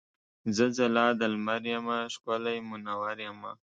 زه ځلا د لمر یمه ښکلی مونور یمه.